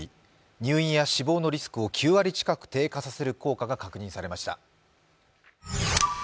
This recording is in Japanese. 入院や死亡のリスクを９割近く低下させる効果が確認されました。